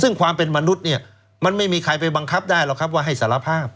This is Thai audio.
ซึ่งความเป็นมนุษย์เนี่ยมันไม่มีใครไปบังคับได้หรอกครับว่าให้สารภาพ